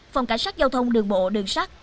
phòng cảnh sát giao thông đường bộ đường sát